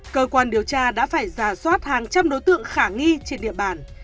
cơ quan điều tra đã phải giả soát hàng trăm đối tượng khả nghi trên địa bàn